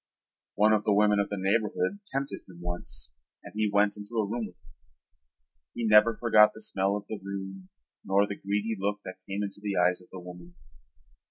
One of the women of the neighborhood tempted him once and he went into a room with her. He never forgot the smell of the room nor the greedy look that came into the eyes of the woman.